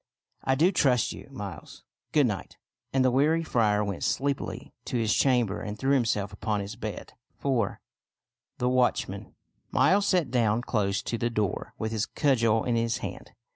" I do trust you, Miles. Good night !" And the weary friar went sleepily to his chamber artd threw himself upon his bed. IV. THE WATCHMAN Miles sat down close to the door with his cudgel in his hand.